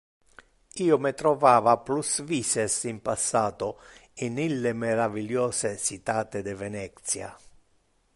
Io me trovava plus vices in passato in ille meraviliose citate de Venetia.